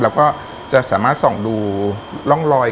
แล้วก็จะสามารถส่องดูร่องรอย